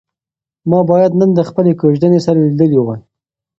ما باید نن د خپلې کوژدنې سره لیدلي وای.